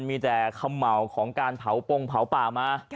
มีแต่คำเหมาของการเผาปงเผาป่ามา